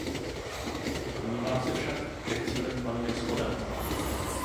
Domnívám se však, že v cílech panuje shoda.